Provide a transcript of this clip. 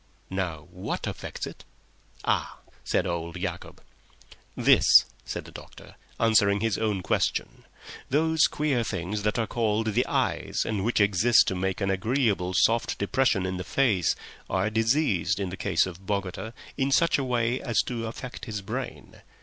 "Now, what affects it?" "Ah!" said old Yacob. "This," said the doctor, answering his own question. "Those queer things that are called the eyes, and which exist to make an agreeable depression in the face, are diseased, in the case of Nunez, in such a way as to affect his brain.